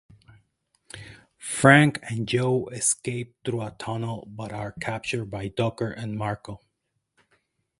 Frank and Joe escape through a tunnel but are captured by Docker and Markel.